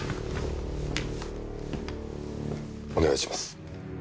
お願いします。